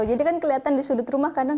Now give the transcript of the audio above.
jadi kan kelihatan di sudut rumah kadang